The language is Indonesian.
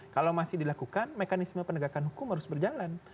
kalau masih dilakukan mekanisme penegakan hukum harus berjalan